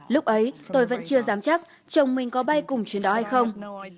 lúc ấy tôi vẫn chưa dám chắc chồng mình có bay cùng chuyến đó hay không